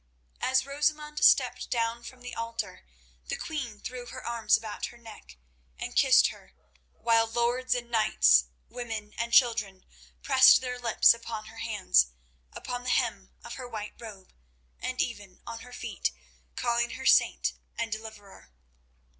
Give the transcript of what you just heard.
As Rosamund stepped down from the altar the queen threw her arms about her neck and kissed her, while lords and knights, women and children, pressed their lips upon her hands, upon the hem of her white robe, and even on her feet, calling her "Saint" and "Deliverer."